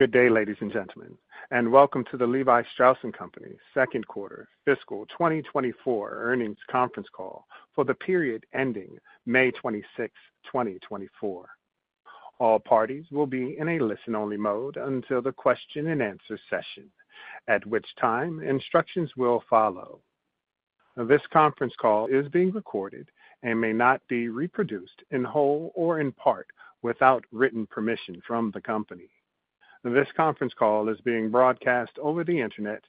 Good day, ladies and gentlemen, and welcome to the Levi Strauss & Company second quarter fiscal 2024 earnings conference call for the period ending May 26th, 2024. All parties will be in a listen-only mode until the question and answer session, at which time instructions will follow. This conference call is being recorded and may not be reproduced in whole or in part, without written permission from the company. This conference call is being broadcast over the Internet,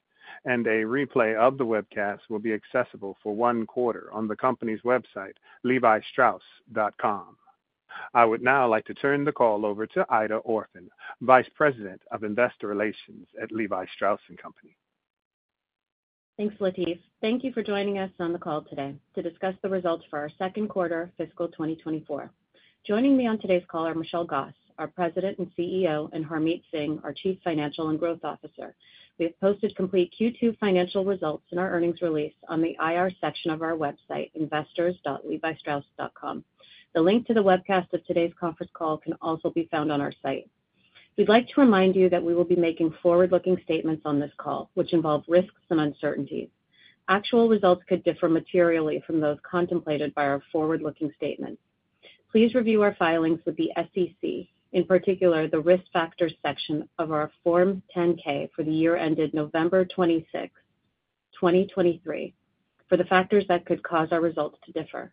and a replay of the webcast will be accessible for one quarter on the company's website, levistrauss.com. I would now like to turn the call over to Aida Orphan, Vice President of Investor Relations at Levi Strauss & Company. Thanks, Latiff. Thank you for joining us on the call today to discuss the results for our second quarter fiscal 2024. Joining me on today's call are Michelle Gass, our President and CEO, and Harmit Singh, our Chief Financial and Growth Officer. We have posted complete Q2 financial results in our earnings release on the IR section of our website, investors.levistrauss.com. The link to the webcast of today's conference call can also be found on our site. We'd like to remind you that we will be making forward-looking statements on this call, which involve risks and uncertainties. Actual results could differ materially from those contemplated by our forward-looking statements. Please review our filings with the SEC, in particular, the Risk Factors section of our Form 10-K for the year ended November 26th, 2023, for the factors that could cause our results to differ.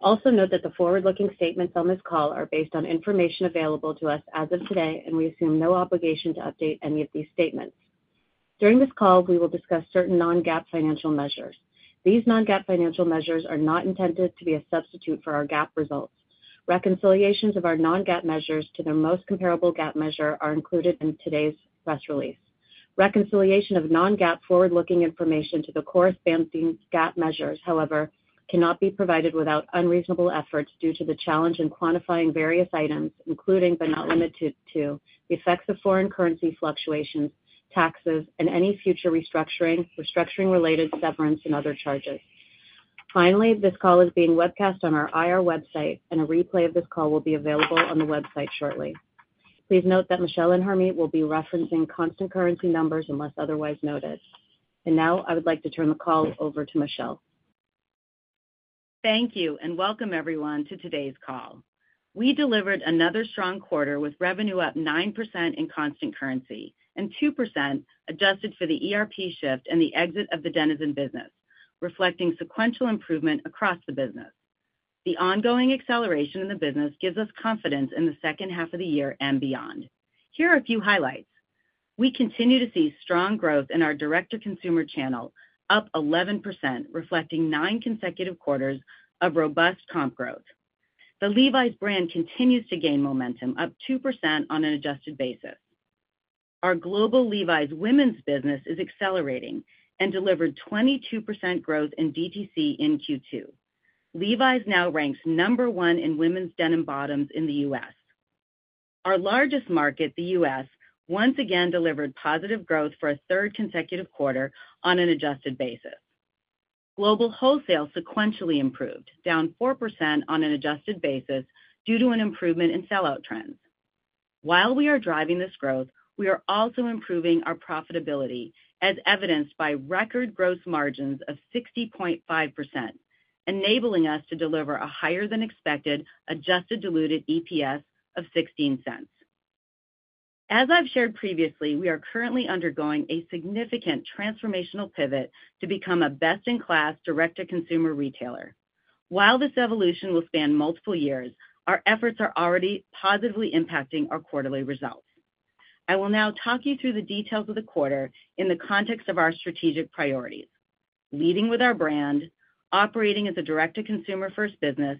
Also note that the forward-looking statements on this call are based on information available to us as of today, and we assume no obligation to update any of these statements. During this call, we will discuss certain non-GAAP financial measures. These non-GAAP financial measures are not intended to be a substitute for our GAAP results. Reconciliations of our non-GAAP measures to their most comparable GAAP measure are included in today's press release. Reconciliation of non-GAAP forward-looking information to the corresponding GAAP measures, however, cannot be provided without unreasonable efforts due to the challenge in quantifying various items, including but not limited to the effects of foreign currency fluctuations, taxes, and any future restructuring, restructuring-related severance and other charges. Finally, this call is being webcast on our IR website, and a replay of this call will be available on the website shortly. Please note that Michelle and Harmit will be referencing constant currency numbers unless otherwise noted. Now, I would like to turn the call over to Michelle. Thank you, and welcome everyone to today's call. We delivered another strong quarter with revenue up 9% in constant currency and 2% adjusted for the ERP shift and the exit of the Denizen business, reflecting sequential improvement across the business. The ongoing acceleration in the business gives us confidence in the second half of the year and beyond. Here are a few highlights: We continue to see strong growth in our direct-to-consumer channel, up 11%, reflecting nine consecutive quarters of robust comp growth. The Levi's brand continues to gain momentum, up 2% on an adjusted basis. Our global Levi's women's business is accelerating and delivered 22% growth in DTC in Q2. Levi's now ranks number one in women's denim bottoms in the U.S. Our largest market, the U.S., once again, delivered positive growth for a third consecutive quarter on an adjusted basis. Global wholesale sequentially improved, down 4% on an adjusted basis due to an improvement in sell-out trends. While we are driving this growth, we are also improving our profitability, as evidenced by record gross margins of 60.5%, enabling us to deliver a higher than expected adjusted diluted EPS of $0.16. As I've shared previously, we are currently undergoing a significant transformational pivot to become a best-in-class, direct-to-consumer retailer. While this evolution will span multiple years, our efforts are already positively impacting our quarterly results. I will now talk you through the details of the quarter in the context of our strategic priorities: leading with our brand, operating as a direct-to-consumer first business,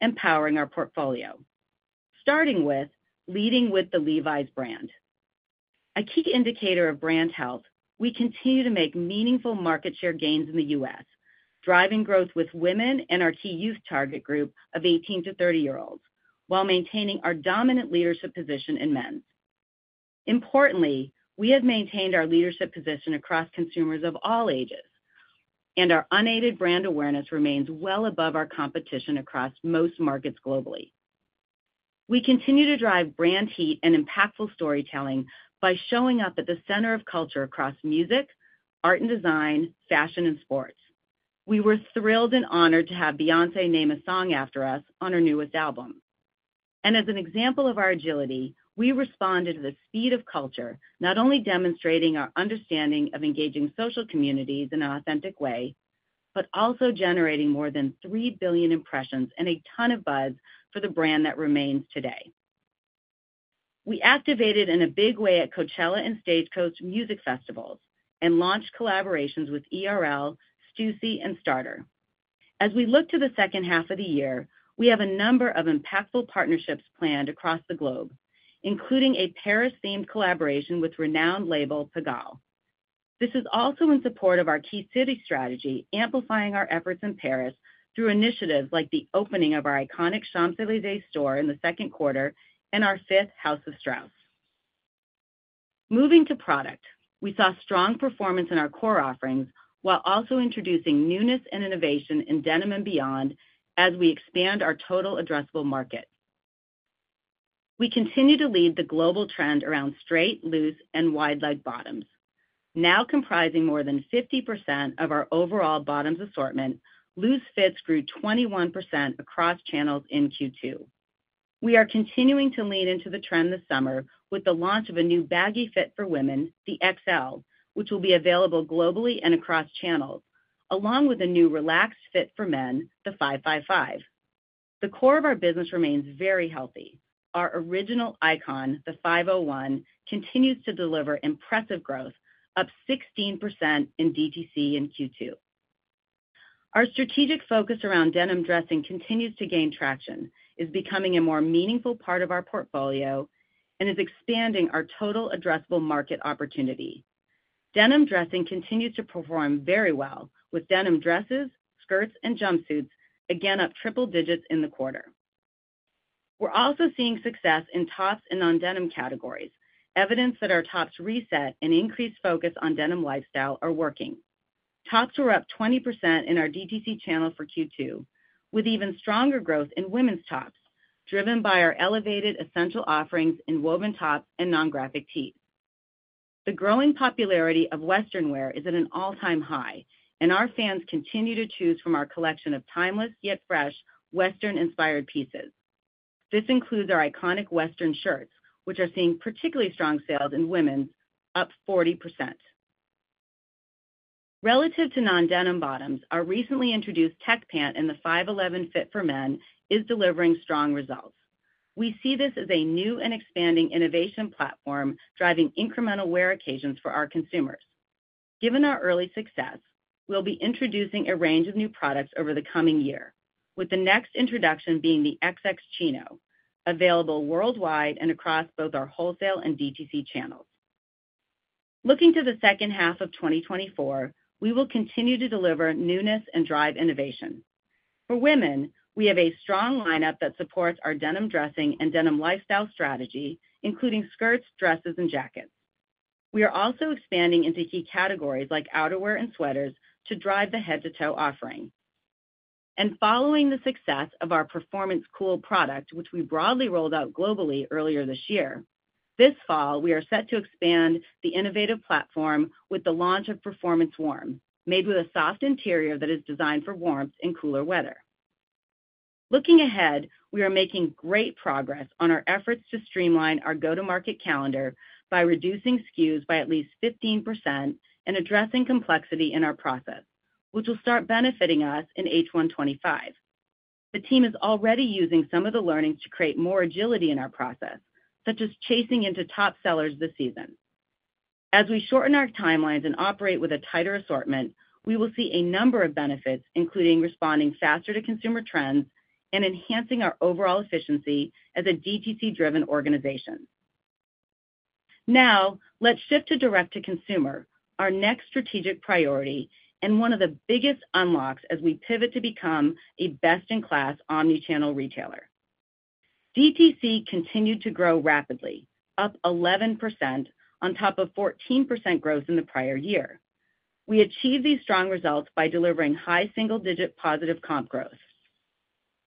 and powering our portfolio. Starting with leading with the Levi's brand. A key indicator of brand health, we continue to make meaningful market share gains in the U.S., driving growth with women and our key youth target group of 18- to 30-year-olds, while maintaining our dominant leadership position in men's. Importantly, we have maintained our leadership position across consumers of all ages, and our unaided brand awareness remains well above our competition across most markets globally. We continue to drive brand heat and impactful storytelling by showing up at the center of culture across music, art and design, fashion, and sports. We were thrilled and honored to have Beyoncé name a song after us on her newest album. As an example of our agility, we responded to the speed of culture, not only demonstrating our understanding of engaging social communities in an authentic way, but also generating more than 3 billion impressions and a ton of buzz for the brand that remains today. We activated in a big way at Coachella and Stagecoach Music Festivals and launched collaborations with ERL, Stüssy, and Starter. As we look to the second half of the year, we have a number of impactful partnerships planned across the globe, including a Paris-themed collaboration with renowned label Pigalle. This is also in support of our key city strategy, amplifying our efforts in Paris through initiatives like the opening of our iconic Champs-Élysées store in the second quarter and our fifth House of Strauss. Moving to product, we saw strong performance in our core offerings while also introducing newness and innovation in denim and beyond as we expand our total addressable market. We continue to lead the global trend around straight, loose, and wide-leg bottoms. Now comprising more than 50% of our overall bottoms assortment, loose fits grew 21% across channels in Q2. We are continuing to lean into the trend this summer with the launch of a new baggy fit for women, the XL, which will be available globally and across channels, along with a new relaxed fit for men, the 555. The core of our business remains very healthy. Our original icon, the 501, continues to deliver impressive growth, up 16% in DTC in Q2. Our strategic focus around denim dressing continues to gain traction, is becoming a more meaningful part of our portfolio, and is expanding our total addressable market opportunity. Denim dressing continues to perform very well, with denim dresses, skirts, and jumpsuits again up triple digits in the quarter. We're also seeing success in tops and non-denim categories, evidence that our tops reset and increased focus on denim lifestyle are working. Tops were up 20% in our DTC channel for Q2, with even stronger growth in women's tops, driven by our elevated essential offerings in woven tops and non-graphic tees. The growing popularity of Western wear is at an all-time high, and our fans continue to choose from our collection of timeless, yet fresh, Western-inspired pieces. This includes our iconic Western shirts, which are seeing particularly strong sales in women, up 40%. Relative to non-denim bottoms, our recently introduced tech pant in the 511 fit for men is delivering strong results. We see this as a new and expanding innovation platform, driving incremental wear occasions for our consumers. Given our early success, we'll be introducing a range of new products over the coming year, with the next introduction being the XX Chino, available worldwide and across both our wholesale and DTC channels. Looking to the second half of 2024, we will continue to deliver newness and drive innovation. For women, we have a strong lineup that supports our denim dressing and denim lifestyle strategy, including skirts, dresses, and jackets. We are also expanding into key categories like outerwear and sweaters to drive the head-to-toe offering. Following the success of our Performance Cool product, which we broadly rolled out globally earlier this year, this fall, we are set to expand the innovative platform with the launch of Performance Warm, made with a soft interior that is designed for warmth in cooler weather. Looking ahead, we are making great progress on our efforts to streamline our go-to-market calendar by reducing SKUs by at least 15% and addressing complexity in our process, which will start benefiting us in H1 2025. The team is already using some of the learnings to create more agility in our process, such as chasing into top sellers this season. As we shorten our timelines and operate with a tighter assortment, we will see a number of benefits, including responding faster to consumer trends and enhancing our overall efficiency as a DTC-driven organization. Now, let's shift to direct-to-consumer, our next strategic priority and one of the biggest unlocks as we pivot to become a best-in-class omni-channel retailer. DTC continued to grow rapidly, up 11% on top of 14% growth in the prior year. We achieved these strong results by delivering high single-digit positive comp growth.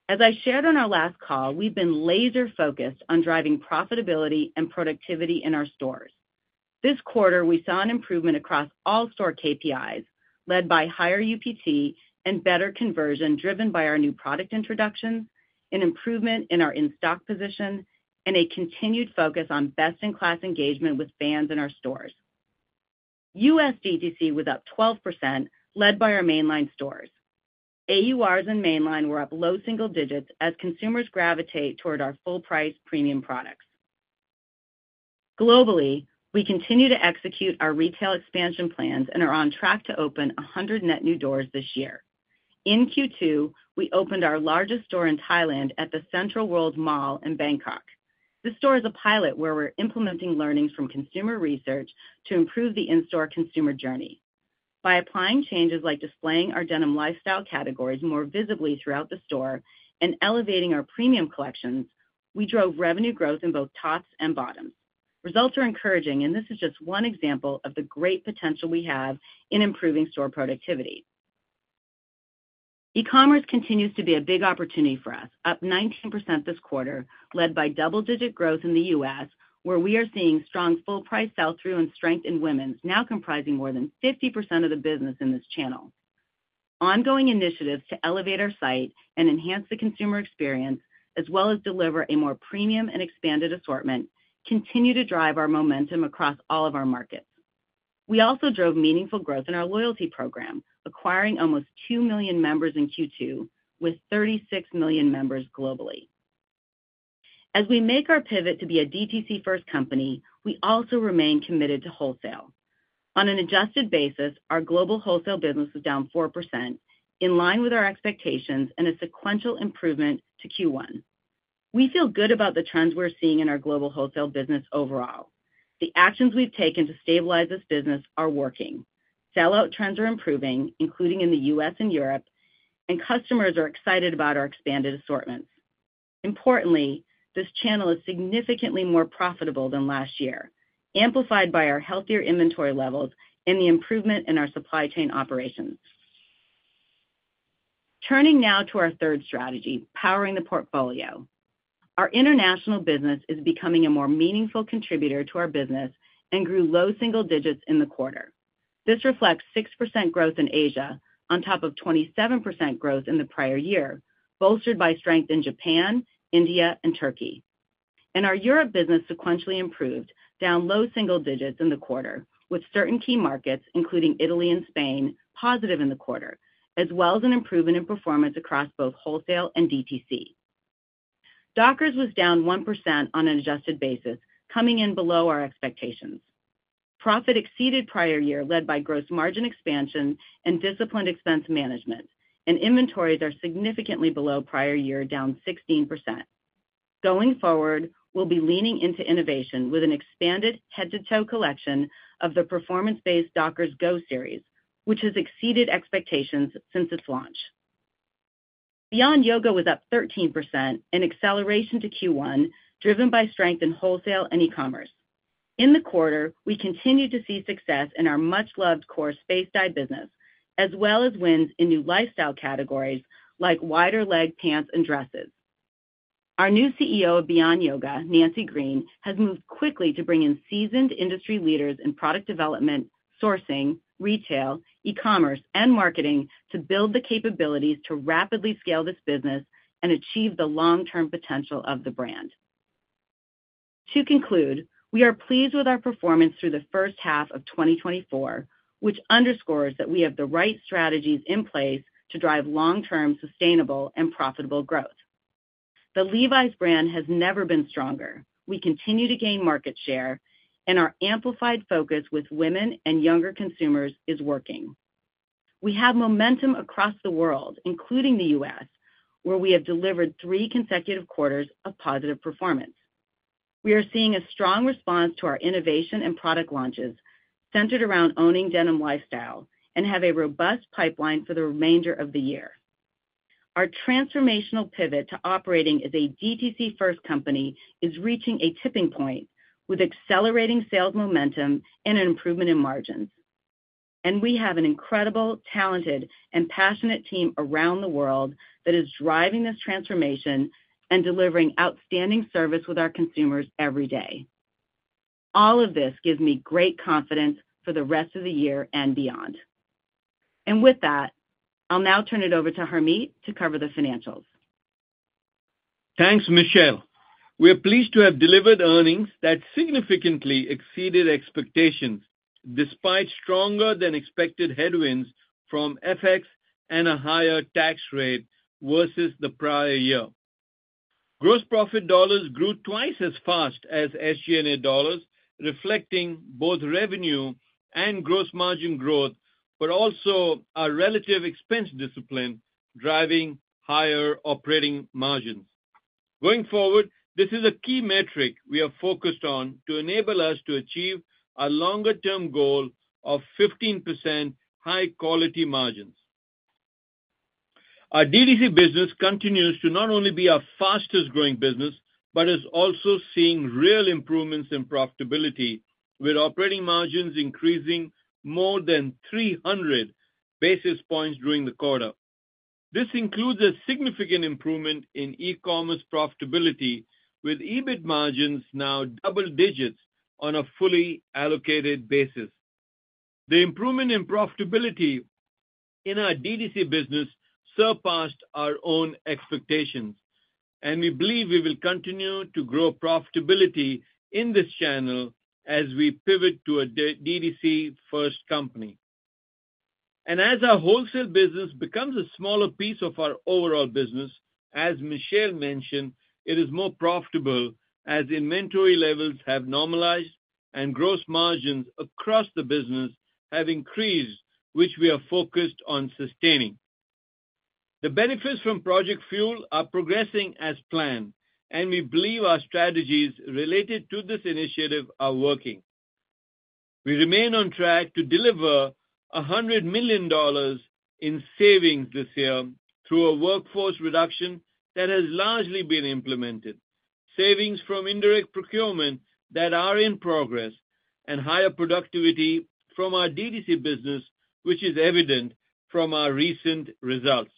As I shared on our last call, we've been laser-focused on driving profitability and productivity in our stores. This quarter, we saw an improvement across all store KPIs, led by higher UPT and better conversion, driven by our new product introductions, an improvement in our in-stock position, and a continued focus on best-in-class engagement with fans in our stores. U.S. DTC was up 12%, led by our mainline stores. AURs in mainline were up low single digits as consumers gravitate toward our full-price premium products. Globally, we continue to execute our retail expansion plans and are on track to open 100 net new doors this year. In Q2, we opened our largest store in Thailand at the CentralWorld Mall in Bangkok. This store is a pilot where we're implementing learnings from consumer research to improve the in-store consumer journey. By applying changes like displaying our denim lifestyle categories more visibly throughout the store and elevating our premium collections, we drove revenue growth in both tops and bottoms. Results are encouraging, and this is just one example of the great potential we have in improving store productivity. E-commerce continues to be a big opportunity for us, up 19% this quarter, led by double-digit growth in the U.S., where we are seeing strong full price sell-through and strength in women's, now comprising more than 50% of the business in this channel. Ongoing initiatives to elevate our site and enhance the consumer experience, as well as deliver a more premium and expanded assortment, continue to drive our momentum across all of our markets. We also drove meaningful growth in our loyalty program, acquiring almost 2 million members in Q2, with 36 million members globally. As we make our pivot to be a DTC-first company, we also remain committed to wholesale. On an adjusted basis, our global wholesale business was down 4%, in line with our expectations and a sequential improvement to Q1. We feel good about the trends we're seeing in our global wholesale business overall. The actions we've taken to stabilize this business are working. Sell-out trends are improving, including in the U.S. and Europe, and customers are excited about our expanded assortments. Importantly, this channel is significantly more profitable than last year, amplified by our healthier inventory levels and the improvement in our supply chain operations.... Turning now to our third strategy, powering the portfolio. Our international business is becoming a more meaningful contributor to our business and grew low single digits in the quarter. This reflects 6% growth in Asia, on top of 27% growth in the prior year, bolstered by strength in Japan, India, and Turkey. Our Europe business sequentially improved, down low single digits in the quarter, with certain key markets, including Italy and Spain, positive in the quarter, as well as an improvement in performance across both wholesale and DTC. Dockers was down 1% on an adjusted basis, coming in below our expectations. Profit exceeded prior year, led by gross margin expansion and disciplined expense management, and inventories are significantly below prior year, down 16%. Going forward, we'll be leaning into innovation with an expanded head-to-toe collection of the performance-based Dockers Go series, which has exceeded expectations since its launch. Beyond Yoga was up 13%, an acceleration to Q1, driven by strength in wholesale and e-commerce. In the quarter, we continued to see success in our much-loved core Spacedye business, as well as wins in new lifestyle categories like wider leg pants and dresses. Our new CEO of Beyond Yoga, Nancy Green, has moved quickly to bring in seasoned industry leaders in product development, sourcing, retail, e-commerce, and marketing to build the capabilities to rapidly scale this business and achieve the long-term potential of the brand. To conclude, we are pleased with our performance through the first half of 2024, which underscores that we have the right strategies in place to drive long-term, sustainable, and profitable growth. The Levi's brand has never been stronger. We continue to gain market share, and our amplified focus with women and younger consumers is working. We have momentum across the world, including the U.S., where we have delivered three consecutive quarters of positive performance. We are seeing a strong response to our innovation and product launches centered around owning denim lifestyle and have a robust pipeline for the remainder of the year. Our transformational pivot to operating as a DTC-first company is reaching a tipping point, with accelerating sales momentum and an improvement in margins. We have an incredible, talented, and passionate team around the world that is driving this transformation and delivering outstanding service with our consumers every day. All of this gives me great confidence for the rest of the year and beyond. With that, I'll now turn it over to Harmit to cover the financials. Thanks, Michelle. We are pleased to have delivered earnings that significantly exceeded expectations, despite stronger than expected headwinds from FX and a higher tax rate versus the prior year. Gross profit dollars grew twice as fast as SG&A dollars, reflecting both revenue and gross margin growth, but also our relative expense discipline, driving higher operating margins. Going forward, this is a key metric we are focused on to enable us to achieve our longer-term goal of 15% high-quality margins. Our DDC business continues to not only be our fastest-growing business, but is also seeing real improvements in profitability, with operating margins increasing more than 300 basis points during the quarter. This includes a significant improvement in e-commerce profitability, with EBIT margins now double digits on a fully allocated basis. The improvement in profitability in our DTC business surpassed our own expectations, and we believe we will continue to grow profitability in this channel as we pivot to a DTC-first company. As our wholesale business becomes a smaller piece of our overall business, as Michelle mentioned, it is more profitable, as inventory levels have normalized and gross margins across the business have increased, which we are focused on sustaining. The benefits from Project Fuel are progressing as planned, and we believe our strategies related to this initiative are working. We remain on track to deliver $100 million in savings this year through a workforce reduction that has largely been implemented, savings from indirect procurement that are in progress, and higher productivity from our DTC business, which is evident from our recent results.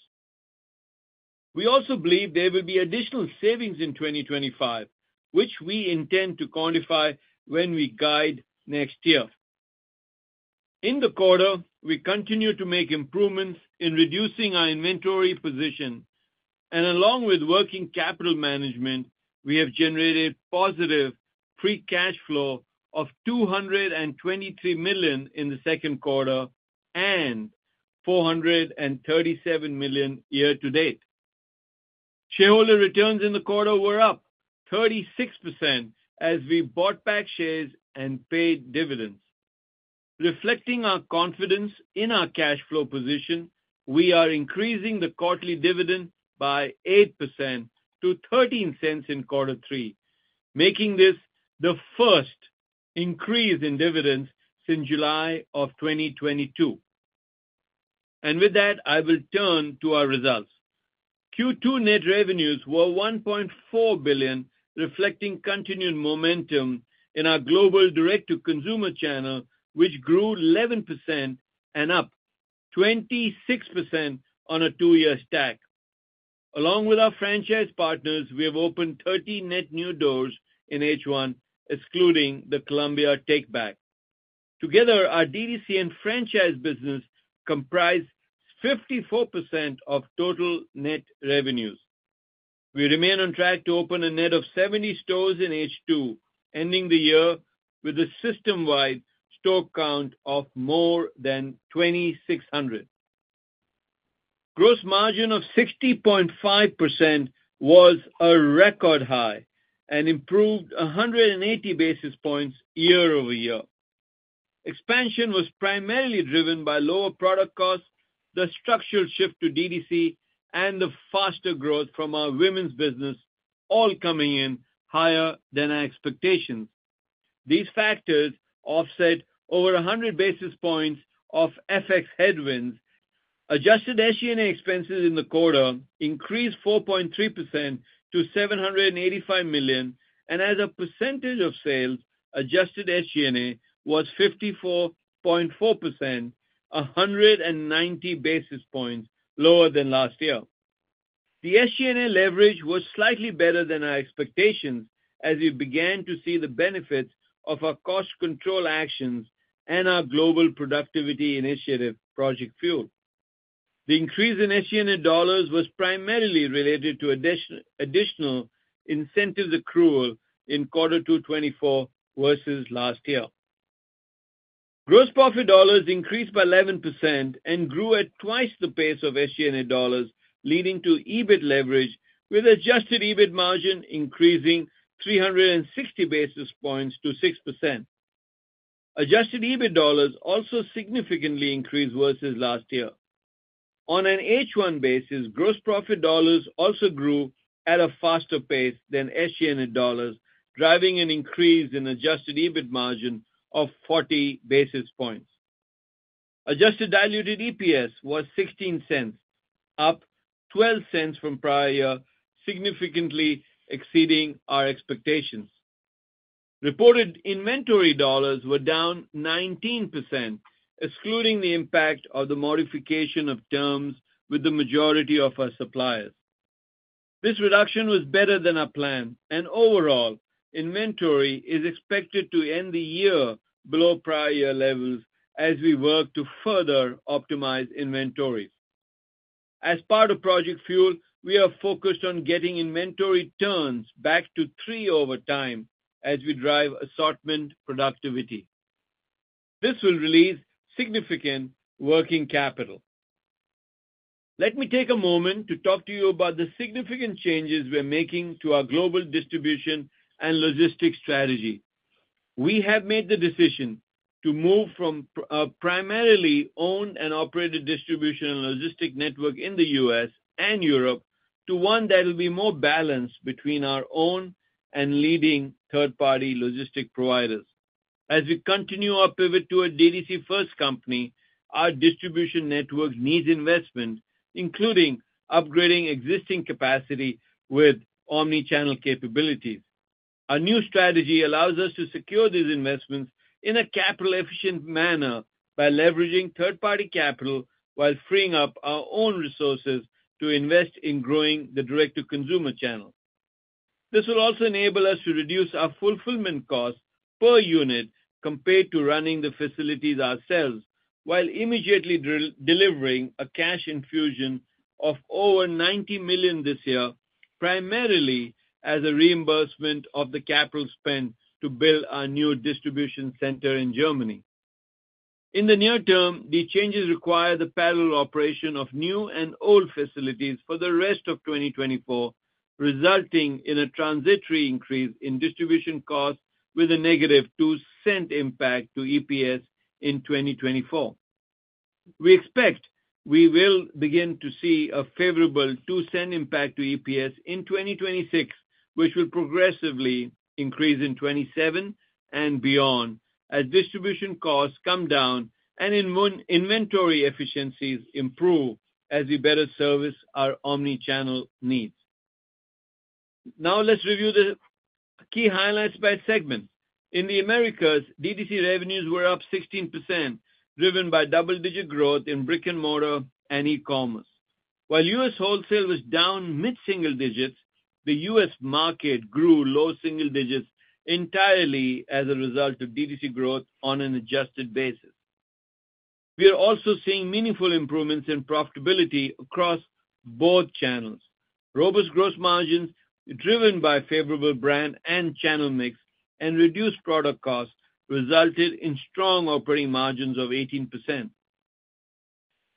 We also believe there will be additional savings in 2025, which we intend to quantify when we guide next year. In the quarter, we continued to make improvements in reducing our inventory position, and along with working capital management, we have generated positive free cash flow of $223 million in the second quarter and $437 million year to date. Shareholder returns in the quarter were up 36% as we bought back shares and paid dividends. Reflecting our confidence in our cash flow position, we are increasing the quarterly dividend by 8% to $0.13 in quarter three, making this the first increase in dividends since July 2022. With that, I will turn to our results.... Q2 net revenues were $1.4 billion, reflecting continued momentum in our global direct-to-consumer channel, which grew 11% and up 26% on a two-year stack. Along with our franchise partners, we have opened 30 net new doors in H1, excluding the Colombia takeback. Together, our DDC and franchise business comprise 54% of total net revenues. We remain on track to open a net of 70 stores in H2, ending the year with a system-wide store count of more than 2,600. Gross margin of 60.5% was a record high and improved 180 basis points year-over-year. Expansion was primarily driven by lower product costs, the structural shift to DDC, and the faster growth from our women's business, all coming in higher than our expectations. These factors offset over 100 basis points of FX headwinds. Adjusted SG&A expenses in the quarter increased 4.3% to $785 million, and as a percentage of sales, adjusted SG&A was 54.4%, 190 basis points lower than last year. The SG&A leverage was slightly better than our expectations as we began to see the benefits of our cost control actions and our global productivity initiative, Project Fuel. The increase in SG&A dollars was primarily related to additional incentive accrual in quarter two 2024 versus last year. Gross profit dollars increased by 11% and grew at twice the pace of SG&A dollars, leading to EBIT leverage, with adjusted EBIT margin increasing 360 basis points to 6%. Adjusted EBIT dollars also significantly increased versus last year. On an H1 basis, gross profit dollars also grew at a faster pace than SG&A dollars, driving an increase in adjusted EBIT margin of 40 basis points. Adjusted diluted EPS was $0.16, up $0.12 from prior year, significantly exceeding our expectations. Reported inventory dollars were down 19%, excluding the impact of the modification of terms with the majority of our suppliers. This reduction was better than our plan, and overall, inventory is expected to end the year below prior year levels as we work to further optimize inventories. As part of Project Fuel, we are focused on getting inventory turns back to 3 over time as we drive assortment productivity. This will release significant working capital. Let me take a moment to talk to you about the significant changes we're making to our global distribution and logistics strategy. We have made the decision to move from primarily owned and operated distribution and logistics network in the U.S. and Europe, to one that will be more balanced between our own and leading third-party logistics providers. As we continue our pivot to a DTC-first company, our distribution network needs investment, including upgrading existing capacity with omni-channel capabilities. Our new strategy allows us to secure these investments in a capital-efficient manner by leveraging third-party capital while freeing up our own resources to invest in growing the direct-to-consumer channel. This will also enable us to reduce our fulfillment costs per unit compared to running the facilities ourselves, while immediately delivering a cash infusion of over $90 million this year, primarily as a reimbursement of the capital spend to build our new distribution center in Germany. In the near term, the changes require the parallel operation of new and old facilities for the rest of 2024, resulting in a transitory increase in distribution costs with a negative $0.02 impact to EPS in 2024. We expect we will begin to see a favorable $0.02 impact to EPS in 2026, which will progressively increase in 2027 and beyond, as distribution costs come down and inventory efficiencies improve as we better service our omni-channel needs. Now, let's review the key highlights by segment. In the Americas, DDC revenues were up 16%, driven by double-digit growth in brick-and-mortar and e-commerce. While U.S. wholesale was down mid-single digits, the U.S. market grew low single digits entirely as a result of DDC growth on an adjusted basis. We are also seeing meaningful improvements in profitability across both channels. Robust gross margins, driven by favorable brand and channel mix and reduced product costs, resulted in strong operating margins of 18%.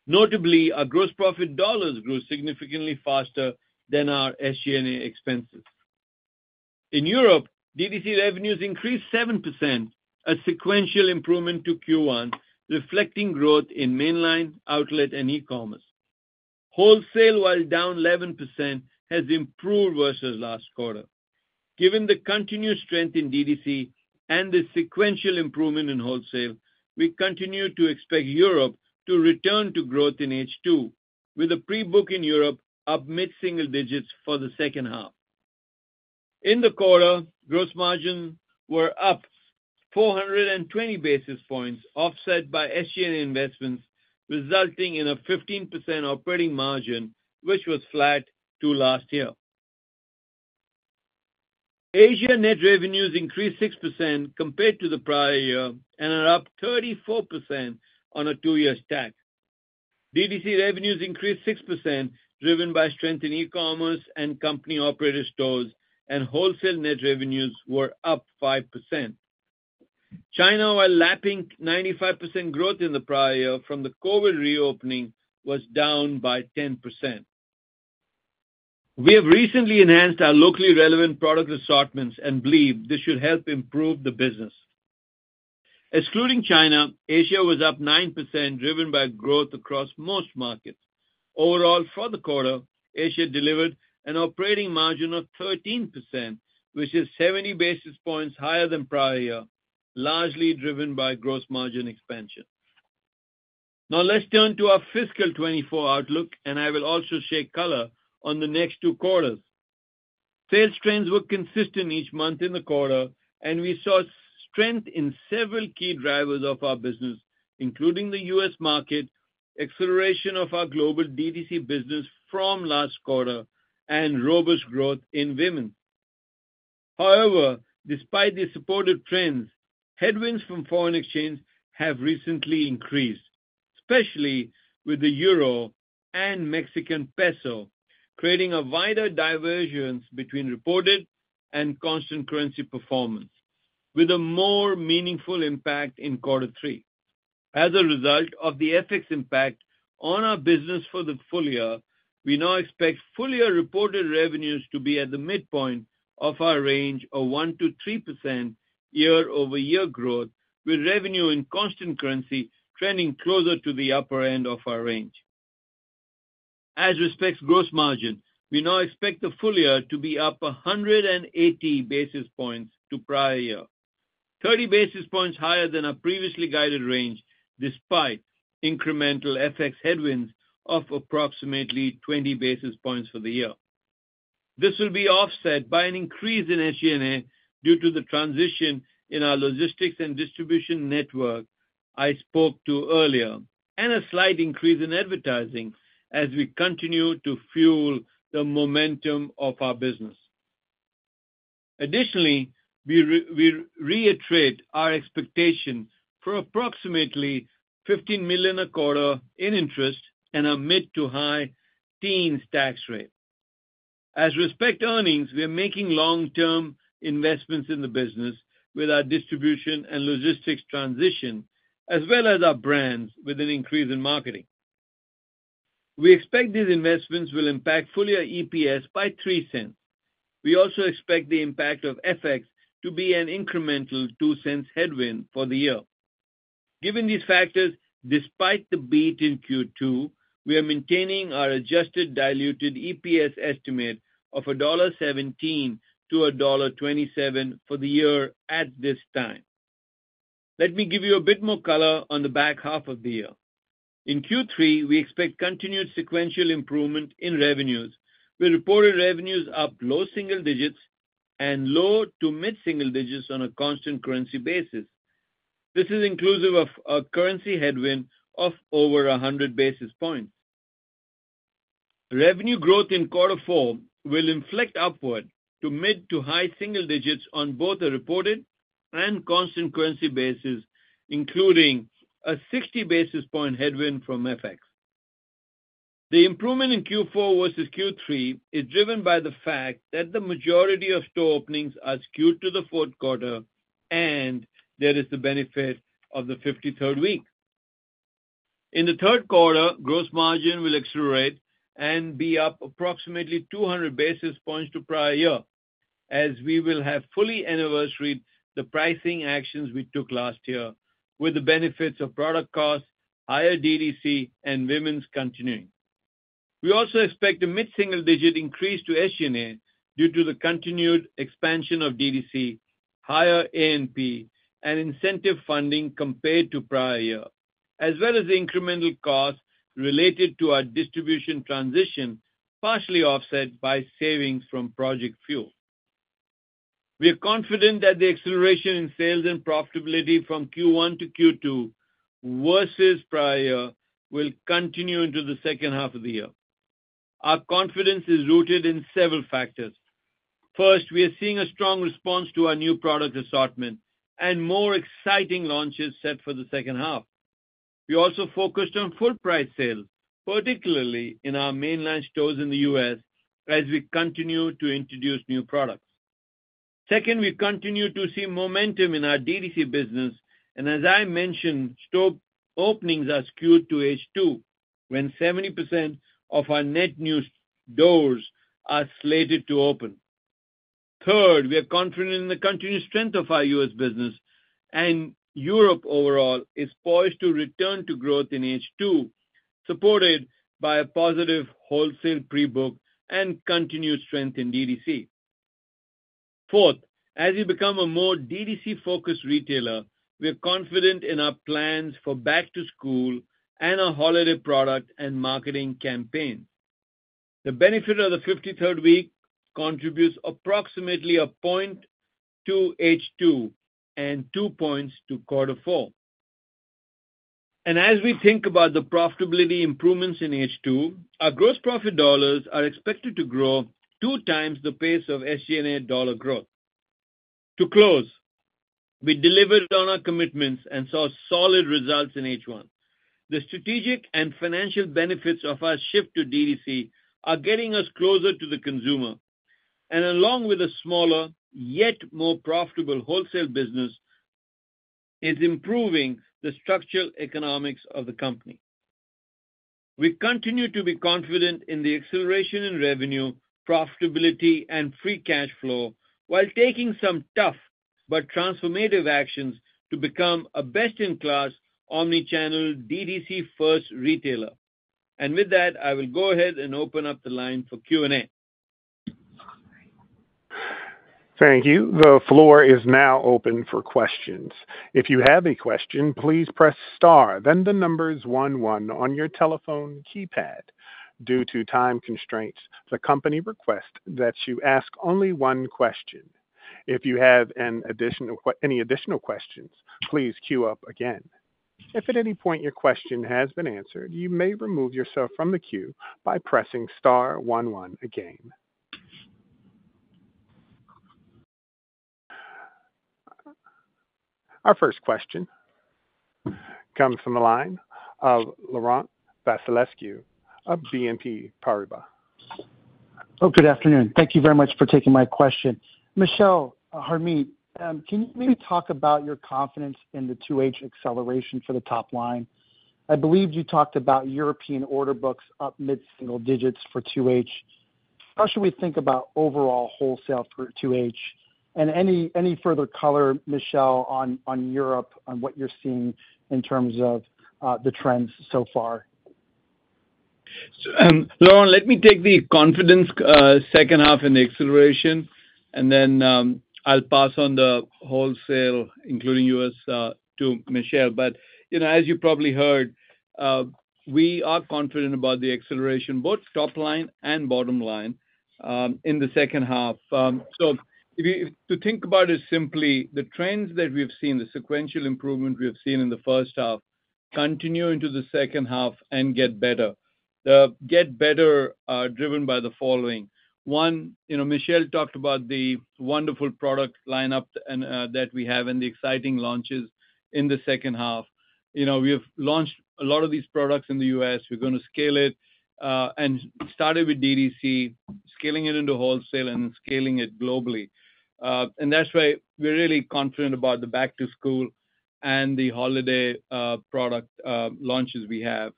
Notably, our gross profit dollars grew significantly faster than our SG&A expenses. In Europe, DDC revenues increased 7%, a sequential improvement to Q1, reflecting growth in mainline, outlet, and e-commerce. Wholesale, while down 11%, has improved versus last quarter. Given the continued strength in DDC and the sequential improvement in wholesale, we continue to expect Europe to return to growth in H2, with a pre-book in Europe up mid-single digits for the second half. In the quarter, gross margins were up 420 basis points, offset by SG&A investments, resulting in a 15% operating margin, which was flat to last year. Asia net revenues increased 6% compared to the prior year and are up 34% on a two-year stack. DTC revenues increased 6%, driven by strength in e-commerce and company-operated stores, and wholesale net revenues were up 5%. China, while lapping 95% growth in the prior year from the COVID reopening, was down by 10%. We have recently enhanced our locally relevant product assortments and believe this should help improve the business. Excluding China, Asia was up 9%, driven by growth across most markets. Overall, for the quarter, Asia delivered an operating margin of 13%, which is 70 basis points higher than prior year, largely driven by gross margin expansion. Now, let's turn to our fiscal 2024 outlook, and I will also shed color on the next two quarters. Sales trends were consistent each month in the quarter, and we saw strength in several key drivers of our business, including the U.S. market, acceleration of our global DTC business from last quarter, and robust growth in women. However, despite the supportive trends, headwinds from foreign exchange have recently increased, especially with the euro and Mexican peso, creating a wider divergence between reported and constant currency performance, with a more meaningful impact in quarter three. As a result of the FX impact on our business for the full year, we now expect full-year reported revenues to be at the midpoint of our range of 1%-3% year-over-year growth, with revenue in constant currency trending closer to the upper end of our range. As respects gross margin, we now expect the full year to be up 180 basis points to prior year, 30 basis points higher than our previously guided range, despite incremental FX headwinds of approximately 20 basis points for the year. This will be offset by an increase in SG&A due to the transition in our logistics and distribution network I spoke to earlier, and a slight increase in advertising as we continue to fuel the momentum of our business. Additionally, we reiterate our expectation for approximately $15 million a quarter in interest and a mid- to high-teens% tax rate. As respects earnings, we are making long-term investments in the business with our distribution and logistics transition, as well as our brands with an increase in marketing. We expect these investments will impact full-year EPS by $0.03. We also expect the impact of FX to be an incremental $0.02 headwind for the year. Given these factors, despite the beat in Q2, we are maintaining our adjusted diluted EPS estimate of $1.17-$1.27 for the year at this time. Let me give you a bit more color on the back half of the year. In Q3, we expect continued sequential improvement in revenues, with reported revenues up low single digits and low to mid single digits on a constant currency basis. This is inclusive of a currency headwind of over 100 basis points. Revenue growth in quarter four will inflect upward to mid to high single digits on both a reported and constant currency basis, including a 60 basis points headwind from FX. The improvement in Q4 versus Q3 is driven by the fact that the majority of store openings are skewed to the fourth quarter, and there is the benefit of the 53rd week. In the third quarter, gross margin will accelerate and be up approximately 200 basis points to prior year, as we will have fully anniversary the pricing actions we took last year, with the benefits of product costs, higher DDC, and women's continuing. We also expect a mid-single-digit increase to SG&A due to the continued expansion of DDC, higher A&P, and incentive funding compared to prior year, as well as the incremental costs related to our distribution transition, partially offset by savings from Project Fuel. We are confident that the acceleration in sales and profitability from Q1 to Q2 versus prior year will continue into the second half of the year. Our confidence is rooted in several factors. First, we are seeing a strong response to our new product assortment and more exciting launches set for the second half. We also focused on full price sales, particularly in our mainline stores in the U.S., as we continue to introduce new products. Second, we continue to see momentum in our DTC business, and as I mentioned, store openings are skewed to H2, when 70% of our net new stores are slated to open. Third, we are confident in the continued strength of our U.S. business, and Europe overall is poised to return to growth in H2, supported by a positive wholesale pre-book and continued strength in DTC. Fourth, as you become a more DTC-focused retailer, we are confident in our plans for back-to-school and our holiday product and marketing campaign. The benefit of the 53rd week contributes approximately 1 point to H2 and 2 points to quarter four. As we think about the profitability improvements in H2, our gross profit dollars are expected to grow two times the pace of SG&A dollar growth. To close, we delivered on our commitments and saw solid results in H1. The strategic and financial benefits of our shift to DDC are getting us closer to the consumer, and along with a smaller, yet more profitable wholesale business, is improving the structural economics of the company. We continue to be confident in the acceleration in revenue, profitability, and free cash flow while taking some tough but transformative actions to become a best-in-class, omni-channel, DDC-first retailer. And with that, I will go ahead and open up the line for Q&A. Thank you. The floor is now open for questions. If you have a question, please press star, then the numbers one, one on your telephone keypad. Due to time constraints, the company requests that you ask only one question. If you have an additional question—any additional questions, please queue up again. If at any point your question has been answered, you may remove yourself from the queue by pressing star one, one again. Our first question comes from the line of Laurent Vasilescu of BNP Paribas. Oh, good afternoon. Thank you very much for taking my question. Michelle, Harmit, can you maybe talk about your confidence in the 2H acceleration for the top line? I believe you talked about European order books up mid-single digits for 2H. How should we think about overall wholesale for 2H? And any further color, Michelle, on Europe, on what you're seeing in terms of the trends so far? So, Laurent, let me take the confidence, second half in the acceleration, and then, I'll pass on the wholesale, including U.S., to Michelle. But, you know, as you probably heard, we are confident about the acceleration, both top line and bottom line, in the second half. So to think about it simply, the trends that we've seen, the sequential improvement we have seen in the first half continue into the second half and get better. The get better are driven by the following: One, you know, Michelle talked about the wonderful product lineup and, that we have and the exciting launches in the second half. You know, we have launched a lot of these products in the U.S. We're gonna scale it, and started with DTC, scaling it into wholesale and scaling it globally. And that's why we're really confident about the back-to-school and the holiday, product, launches we have.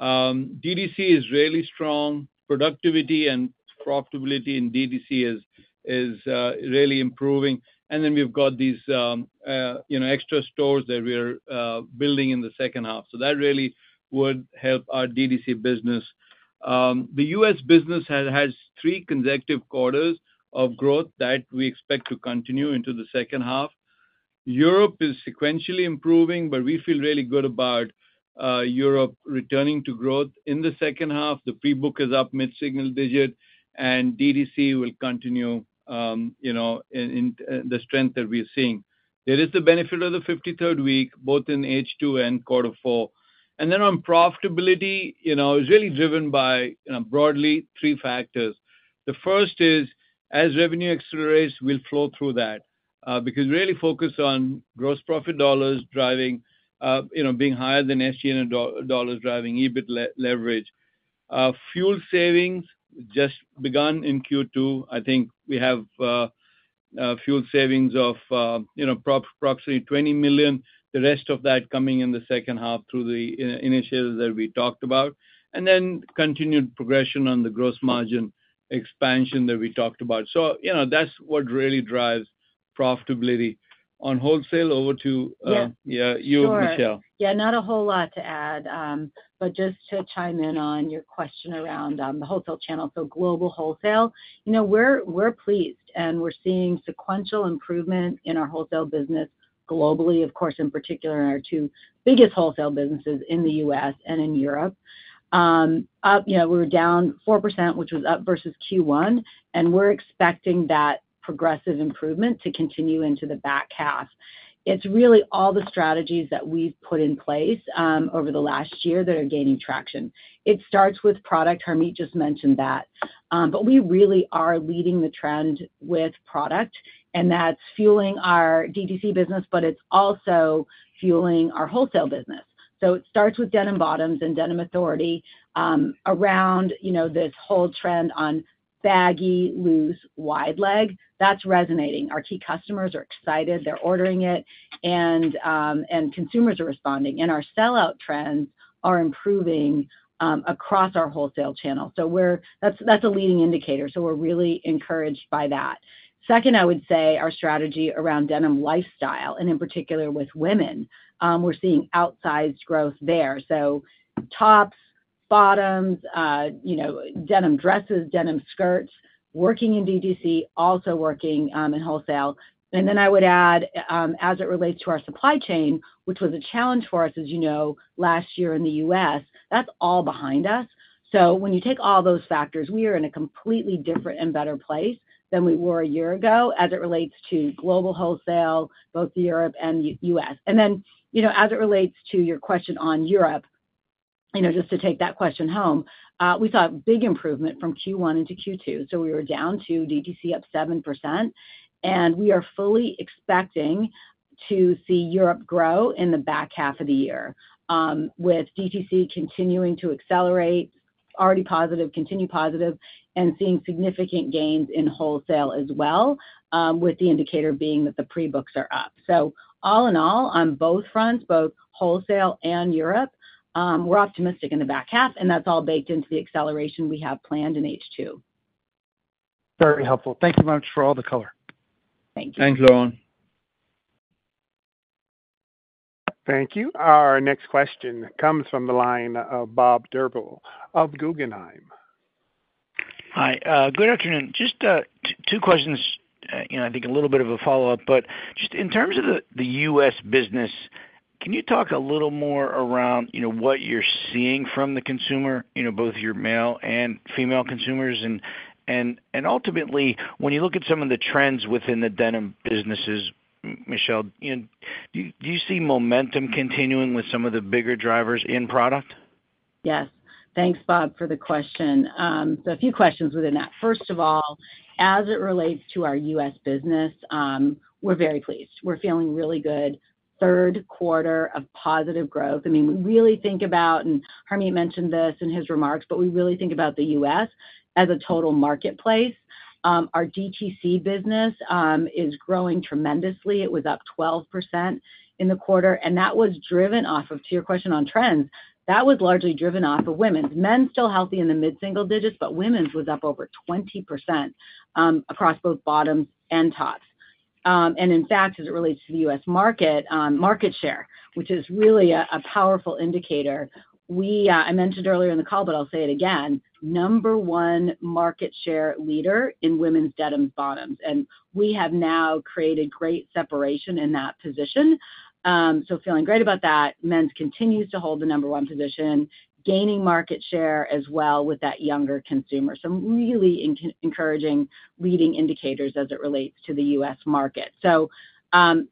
DTC is really strong. Productivity and profitability in DTC is, is, really improving. And then we've got these, you know, extra stores that we're, building in the second half. So that really would help our DTC business. The U.S. business has, has three consecutive quarters of growth that we expect to continue into the second half. Europe is sequentially improving, but we feel really good about, Europe returning to growth in the second half. The pre-book is up mid-single digit, and DTC will continue, you know, in, in, the strength that we're seeing. There is the benefit of the 53rd week, both in H2 and quarter four. And then on profitability, you know, it's really driven by, you know, broadly three factors. The first is, as revenue accelerates, we'll flow through that, because we're really focused on gross profit dollars driving, you know, being higher than SG&A dollars, driving EBIT leverage. Fuel savings just begun in Q2. I think we have fuel savings of, you know, approximately $20 million, the rest of that coming in the second half through the initiatives that we talked about, and then continued progression on the gross margin expansion that we talked about. So, you know, that's what really drives profitability. On wholesale, over to, Yeah. Yeah, you, Michelle. Sure. Yeah, not a whole lot to add, but just to chime in on your question around the wholesale channel. So global wholesale, you know, we're, we're pleased, and we're seeing sequential improvement in our wholesale business globally, of course, in particular in our two biggest wholesale businesses in the U.S. and in Europe. Up, you know, we were down 4%, which was up versus Q1, and we're expecting that progressive improvement to continue into the back half. It's really all the strategies that we've put in place over the last year that are gaining traction. It starts with product. Harmit just mentioned that. But we really are leading the trend with product, and that's fueling our DTC business, but it's also fueling our wholesale business. So it starts with denim bottoms and denim authority, around, you know, this whole trend on baggy, loose, wide leg. That's resonating. Our key customers are excited, they're ordering it, and, and consumers are responding. And our sellout trends are improving, across our wholesale channel. So that's, that's a leading indicator, so we're really encouraged by that. Second, I would say our strategy around denim lifestyle, and in particular with women, we're seeing outsized growth there. So bottoms, you know, denim dresses, denim skirts, working in DTC, also working, in wholesale. And then I would add, as it relates to our supply chain, which was a challenge for us, as you know, last year in the U.S., that's all behind us. So when you take all those factors, we are in a completely different and better place than we were a year ago as it relates to global wholesale, both Europe and U.S. And then, you know, as it relates to your question on Europe, you know, just to take that question home, we saw a big improvement from Q1 into Q2. So we were down 2%, DTC up 7%, and we are fully expecting to see Europe grow in the back half of the year, with DTC continuing to accelerate, already positive, continue positive, and seeing significant gains in wholesale as well, with the indicator being that the pre-books are up. So all in all, on both fronts, both wholesale and Europe, we're optimistic in the back half, and that's all baked into the acceleration we have planned in H2. Very helpful. Thank you much for all the color. Thank you. Thanks, Lauren. Thank you. Our next question comes from the line of Bob Drbul of Guggenheim. Hi, good afternoon. Just two questions, and I think a little bit of a follow-up. But just in terms of the U.S. business, can you talk a little more around, you know, what you're seeing from the consumer, you know, both your male and female consumers? And ultimately, when you look at some of the trends within the denim businesses, Michelle, you know, do you see momentum continuing with some of the bigger drivers in product? Yes. Thanks, Bob, for the question. So a few questions within that. First of all, as it relates to our U.S. business, we're very pleased. We're feeling really good. Third quarter of positive growth. I mean, we really think about, and Harmit mentioned this in his remarks, but we really think about the U.S. as a total marketplace. Our DTC business is growing tremendously. It was up 12% in the quarter, and that was driven off of... To your question on trends, that was largely driven off of women's. Men's still healthy in the mid-single digits, but women's was up over 20%, across both bottoms and tops. And in fact, as it relates to the U.S. market, market share, which is really a powerful indicator, we, I mentioned earlier in the call, but I'll say it again, number one market share leader in women's denim bottoms, and we have now created great separation in that position. So feeling great about that. Men's continues to hold the number one position, gaining market share as well with that younger consumer. So really encouraging leading indicators as it relates to the U.S. market. So,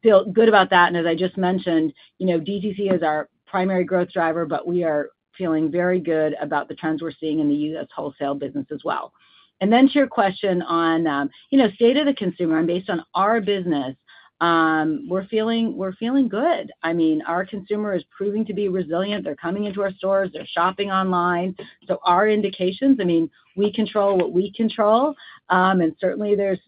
feel good about that, and as I just mentioned, you know, DTC is our primary growth driver, but we are feeling very good about the trends we're seeing in the U.S. wholesale business as well. And then to your question on, you know, state of the consumer and based on our business, we're feeling, we're feeling good. I mean, our consumer is proving to be resilient. They're coming into our stores. They're shopping online. So our indications, I mean, we control what we control, and certainly there's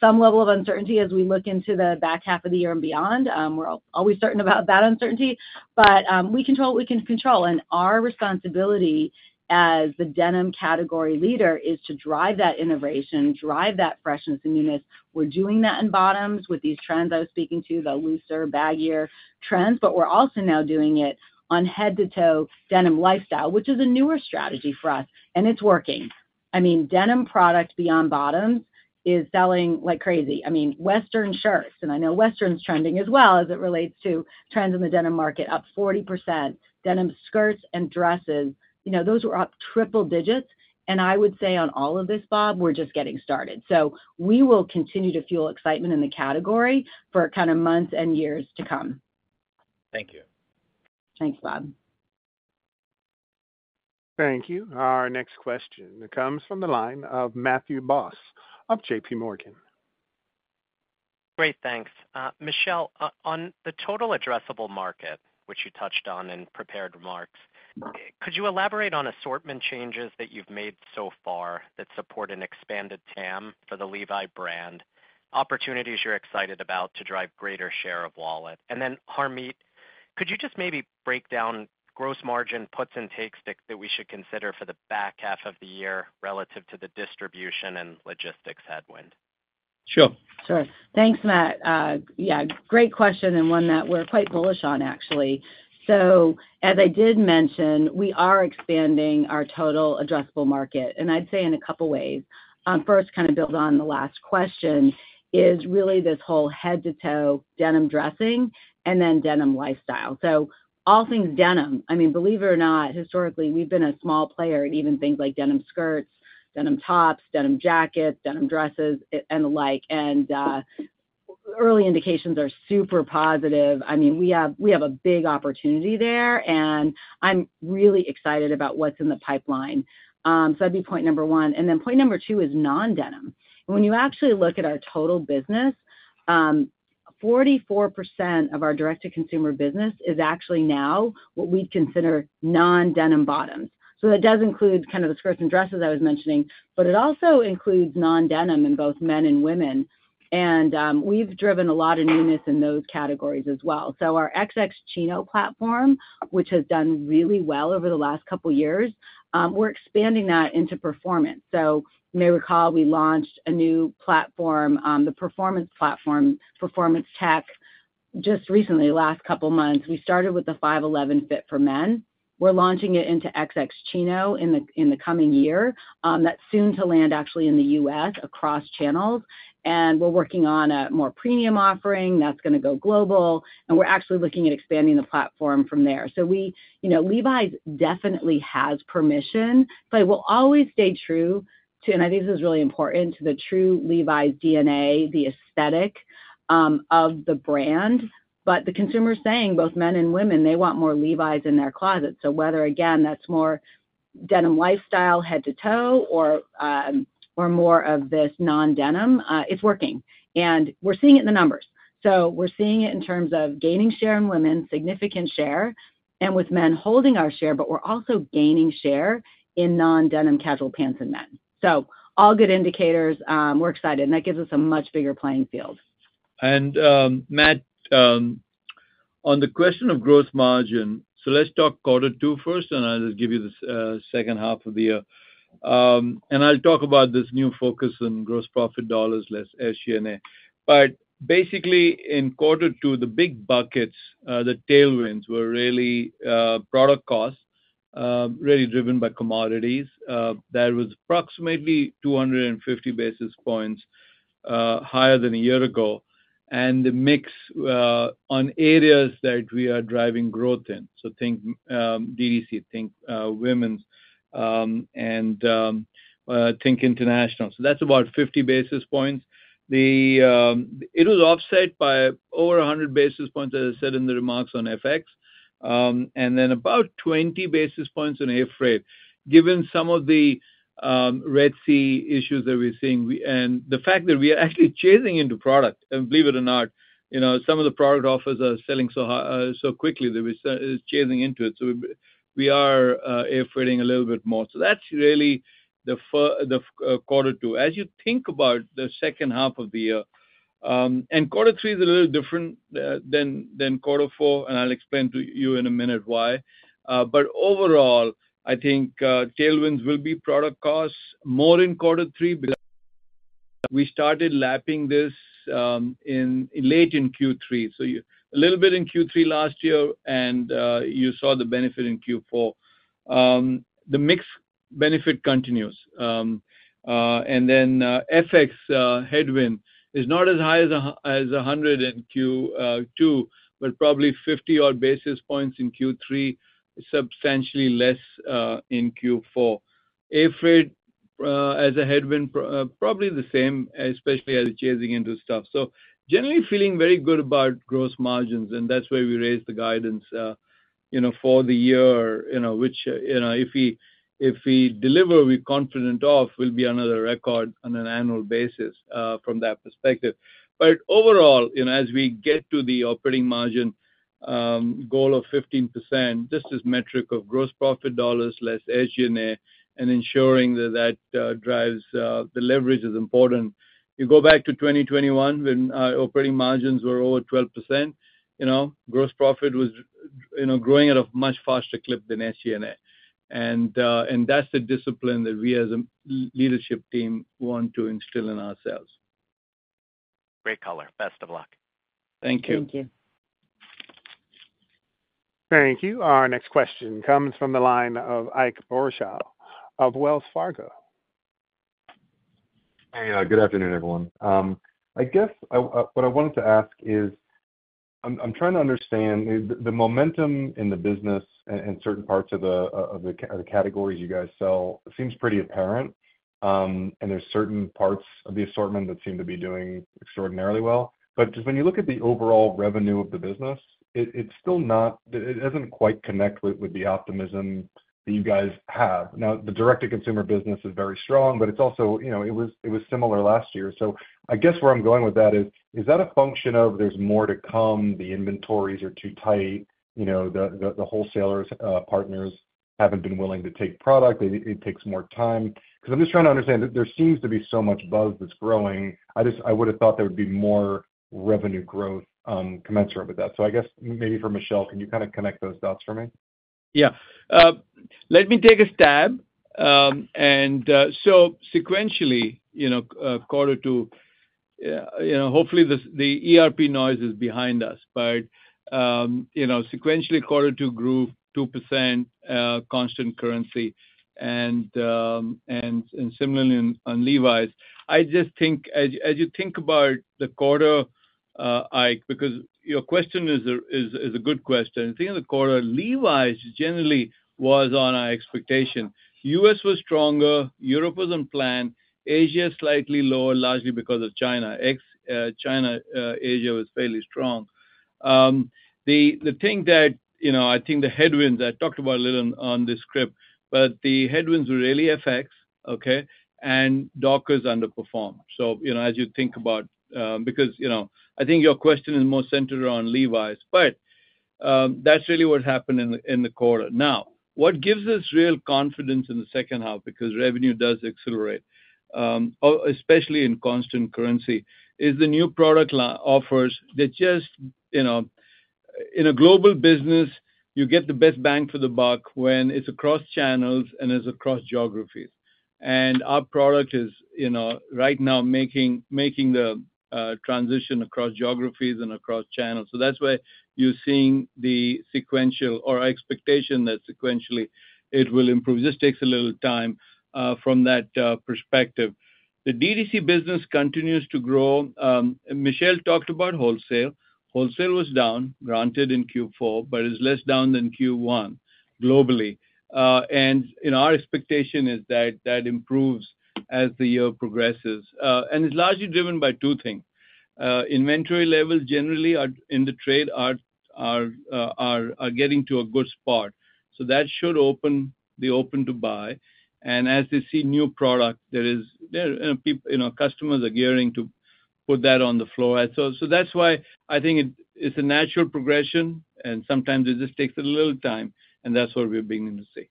some level of uncertainty as we look into the back half of the year and beyond. We're always certain about that uncertainty, but, we control what we can control, and our responsibility as the denim category leader is to drive that innovation, drive that freshness and newness. We're doing that in bottoms with these trends I was speaking to, the looser, baggier trends, but we're also now doing it on head-to-toe denim lifestyle, which is a newer strategy for us, and it's working. I mean, denim product beyond bottoms is selling like crazy. I mean, western shirts, and I know western is trending as well, as it relates to trends in the denim market, up 40%. Denim skirts and dresses, you know, those were up triple digits, and I would say on all of this, Bob, we're just getting started. So we will continue to fuel excitement in the category for kind of months and years to come. Thank you. Thanks, Bob. Thank you. Our next question comes from the line of Matthew Boss of JPMorgan. Great, thanks. Michelle, on the total addressable market, which you touched on in prepared remarks, could you elaborate on assortment changes that you've made so far that support an expanded TAM for the Levi brand, opportunities you're excited about to drive greater share of wallet? And then, Harmit, could you just maybe break down gross margin, puts and takes that we should consider for the back half of the year relative to the distribution and logistics headwind? Sure. Sure. Thanks, Matt. Yeah, great question, and one that we're quite bullish on, actually. So as I did mention, we are expanding our total addressable market, and I'd say in a couple ways. First, kind of build on the last question, is really this whole head-to-toe denim dressing and then denim lifestyle. So all things denim. I mean, believe it or not, historically, we've been a small player in even things like denim skirts, denim tops, denim jackets, denim dresses, and the like, and early indications are super positive. I mean, we have a big opportunity there, and I'm really excited about what's in the pipeline. So that'd be point number one, and then point number two is non-denim. When you actually look at our total business, 44% of our direct-to-consumer business is actually now what we'd consider non-denim bottoms. So that does include kind of the skirts and dresses I was mentioning, but it also includes non-denim in both men and women, and we've driven a lot of newness in those categories as well. So our XX Chino platform, which has done really well over the last couple years, we're expanding that into performance. So you may recall we launched a new platform, the performance platform, performance tech, just recently, last couple of months. We started with the 511 fit for men. We're launching it into XX Chino in the coming year. That's soon to land actually in the US across channels, and we're working on a more premium offering that's gonna go global, and we're actually looking at expanding the platform from there. So we, you know, Levi's definitely has permission, but it will always stay true to, and I think this is really important, to the true Levi's DNA, the aesthetic, of the brand. But the consumer is saying, both men and women, they want more Levi's in their closet. So whether, again, that's more denim lifestyle, head to toe, or more of this non-denim, it's working, and we're seeing it in the numbers. So we're seeing it in terms of gaining share in women, significant share, and with men, holding our share, but we're also gaining share in non-denim casual pants in men. So all good indicators, we're excited, and that gives us a much bigger playing field. And, Matt, on the question of gross margin, so let's talk quarter two first, and I'll just give you the second half of the year. And I'll talk about this new focus on gross profit dollars less SG&A. But basically, in quarter two, the big buckets, the tailwinds were really product costs, really driven by commodities. That was approximately 250 basis points higher than a year ago. And the mix on areas that we are driving growth in, so think DTC, think women's, and think international. So that's about 50 basis points. It was offset by over 100 basis points, as I said in the remarks on FX, and then about 20 basis points on air freight. Given some of the Red Sea issues that we're seeing, and the fact that we are actually chasing into product, and believe it or not, you know, some of the product offers are selling so high, so quickly that we're chasing into it. So we are air freighting a little bit more. So that's really the quarter two. As you think about the second half of the year, and quarter three is a little different than quarter four, and I'll explain to you in a minute why. But overall, I think tailwinds will be product costs, more in quarter three, because we started lapping this in late Q3. A little bit in Q3 last year, and you saw the benefit in Q4. The mix benefit continues. FX headwind is not as high as 100 in Q2, but probably 50-odd basis points in Q3, substantially less in Q4. Air freight as a headwind probably the same, especially as chasing into stuff. So generally feeling very good about gross margins, and that's why we raised the guidance, you know, for the year, you know, which, you know, if we, if we deliver, we're confident off, we'll be another record on an annual basis from that perspective. But overall, you know, as we get to the operating margin goal of 15%, just this metric of gross profit dollars less SG&A and ensuring that that drives the leverage is important. You go back to 2021, when our operating margins were over 12%, you know, gross profit was, you know, growing at a much faster clip than SG&A. And that's the discipline that we as a leadership team want to instill in ourselves. Great color. Best of luck. Thank you. Thank you. Thank you. Our next question comes from the line of Ike Boruchow of Wells Fargo. Hey, good afternoon, everyone. I guess what I wanted to ask is, I'm trying to understand the momentum in the business and certain parts of the categories you guys sell seems pretty apparent, and there's certain parts of the assortment that seem to be doing extraordinarily well. But just when you look at the overall revenue of the business, it's still not-- it doesn't quite connect with the optimism that you guys have. Now, the direct-to-consumer business is very strong, but it's also, you know, it was similar last year. So I guess where I'm going with that is: Is that a function of there's more to come, the inventories are too tight, you know, the wholesale partners haven't been willing to take product, it takes more time? Because I'm just trying to understand, there seems to be so much buzz that's growing. I would've thought there would be more revenue growth, commensurate with that. So I guess maybe for Michelle, can you kind of connect those dots for me? Yeah. Let me take a stab. So sequentially, you know, quarter two, you know, hopefully the ERP noise is behind us. But, you know, sequentially, quarter two grew 2%, constant currency and similarly on Levi's. I just think as you think about the quarter, Ike, because your question is a good question. I think in the quarter, Levi's generally was on our expectation. U.S. was stronger, Europe was on plan, Asia slightly lower, largely because of China. Ex China, Asia was fairly strong. The thing that... You know, I think the headwinds, I talked about a little on this script, but the headwinds were really FX, okay, and Dockers underperformed. So, you know, as you think about, because, you know, I think your question is more centered around Levi's, but that's really what happened in the quarter. Now, what gives us real confidence in the second half, because revenue does accelerate, especially in constant currency, is the new product line offers that just, you know, in a global business, you get the best bang for the buck when it's across channels and it's across geographies. And our product is, you know, right now making the transition across geographies and across channels. So that's why you're seeing the sequential or our expectation that sequentially it will improve. Just takes a little time from that perspective. The DDC business continues to grow. Michelle talked about wholesale. Wholesale was down, granted, in Q4, but is less down than Q1 globally. And our expectation is that improves as the year progresses. And it's largely driven by two things. Inventory levels generally are, in the trade, getting to a good spot. So that should open-to-buy. And as they see new product, you know, customers are gearing to put that on the floor. And so that's why I think it's a natural progression, and sometimes it just takes a little time, and that's what we're beginning to see.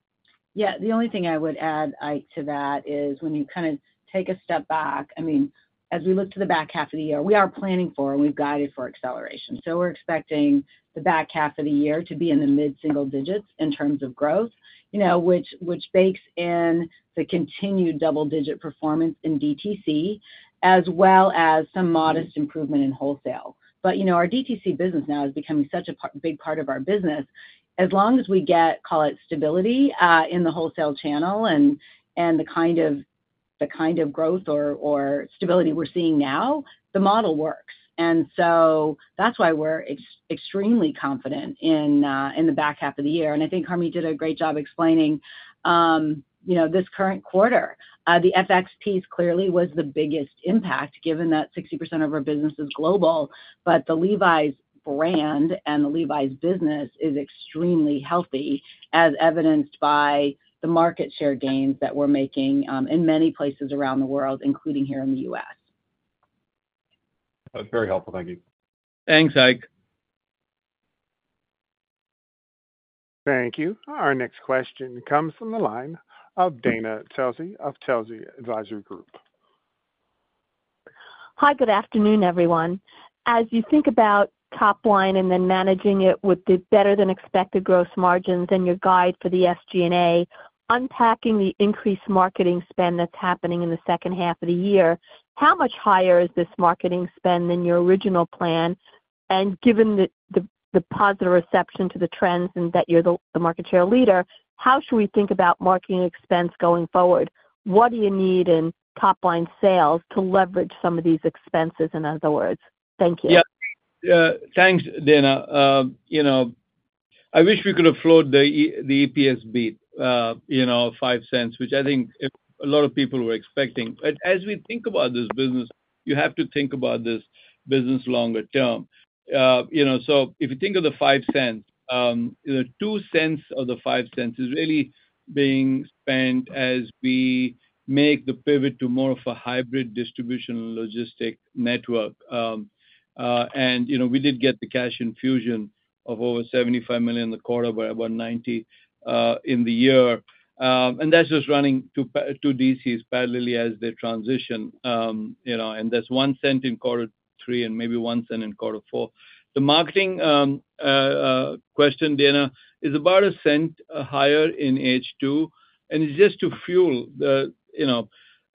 Yeah. The only thing I would add, Ike, to that is when you kind of take a step back, I mean, as we look to the back half of the year, we are planning for and we've guided for acceleration. So we're expecting the back half of the year to be in the mid-single digits in terms of growth, you know, which bakes in the continued double-digit performance in DTC, as well as some modest improvement in wholesale. But, you know, our DTC business now is becoming such a big part of our business. As long as we get, call it stability, in the wholesale channel and the kind of growth or stability we're seeing now, the model works. And so that's why we're extremely confident in the back half of the year. I think Harmit did a great job explaining, you know, this current quarter. The FX piece clearly was the biggest impact, given that 60% of our business is global. But the Levi's brand and the Levi's business is extremely healthy, as evidenced by the market share gains that we're making, in many places around the world, including here in the U.S. That's very helpful. Thank you. Thanks, Ike. Thank you. Our next question comes from the line of Dana Telsey of Telsey Advisory Group. Hi, good afternoon, everyone. As you think about top line and then managing it with the better than expected gross margins and your guide for the SG&A, unpacking the increased marketing spend that's happening in the second half of the year, how much higher is this marketing spend than your original plan? And given the positive reception to the trends and that you're the market share leader, how should we think about marketing expense going forward? What do you need in top-line sales to leverage some of these expenses, in other words? Thank you. Yeah, thanks, Dana. You know, I wish we could have flowed the EPS beat, you know, $0.05, which I think a lot of people were expecting. But as we think about this business, you have to think about this business longer term. You know, so if you think of the $0.05, $0.02 of the $0.05 is really being spent as we make the pivot to more of a hybrid distribution logistic network. And, you know, we did get the cash infusion of over $75 million in the quarter, but about $90 in the year. And that's just running two DCs parallelly as they transition. You know, and that's $0.01 in quarter three and maybe $0.01 in quarter four. The marketing question, Dana, is about 1% higher in H2, and it's just to fuel the, you know...